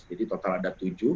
jadi total ada tujuh